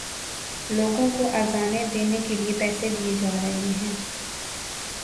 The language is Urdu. لوگوں کو اذانیں دینے کے لیے پیسے دیے جا رہے ہیں۔